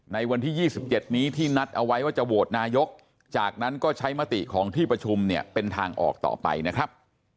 ในวันที่๒๗นี้ที่นัดเอาไว้ว่าจะโหวตนายกจากนั้นก็ใช้มติของที่ประชุมเนี่ยเป็นทางออกต่อไปนะครับ